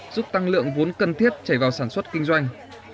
giúp tăng lượng vốn cần thiết chảy vào sản xuất kinh doanh